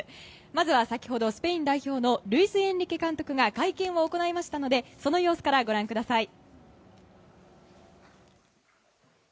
まずは先ほど、スペイン代表のルイス・エンリケ監督が会見を行いましたのでその様子からご覧ください。